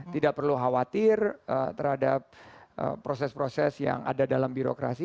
tidak perlu khawatir terhadap proses proses yang ada dalam birokrasi